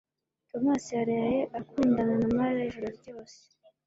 Tomasi yaraye akundana na Mariya ijoro ryose.